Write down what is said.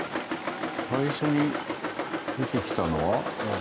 最初に出てきたのは？